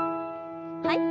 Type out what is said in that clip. はい。